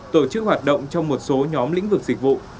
tổ chức hoạt động trong một số nhóm lĩnh vực dịch vụ